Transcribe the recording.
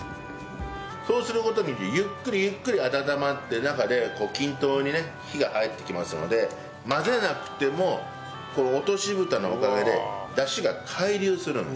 そうする事によってゆっくりゆっくり温まって中で均等にね火が入ってきますので混ぜなくても落とし蓋のおかげでダシが回流するんです。